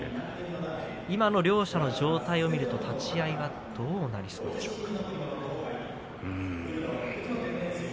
今の両者の状態を見ると立ち合いはどうなりそうですか。